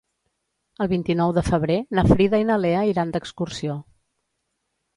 El vint-i-nou de febrer na Frida i na Lea iran d'excursió.